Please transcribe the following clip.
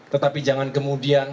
tetapi jangan kemudian